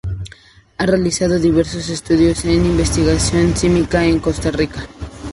Ha realizado diversos estudios en investigación sísmica en Costa Rica.